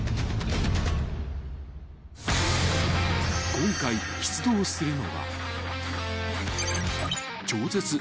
［今回出動するのは］